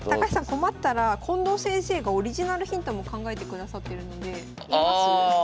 困ったら近藤先生がオリジナルヒントも考えてくださってるので言います？